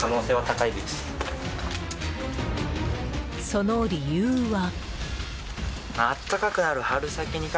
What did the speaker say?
その理由は。